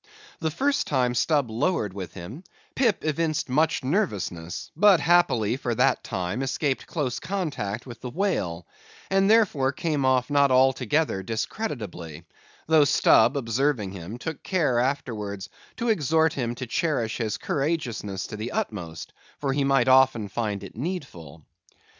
The first time Stubb lowered with him, Pip evinced much nervousness; but happily, for that time, escaped close contact with the whale; and therefore came off not altogether discreditably; though Stubb observing him, took care, afterwards, to exhort him to cherish his courageousness to the utmost, for he might often find it needful.